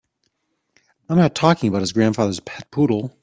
I'm not talking about his grandfather's pet poodle.